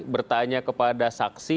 bertanya kepada saksi